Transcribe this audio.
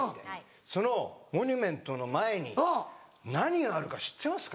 そのモニュメントの前に何があるか知ってますか？